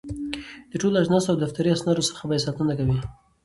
د ټولو اجناسو او دفتري اسنادو څخه به ساتنه کوي.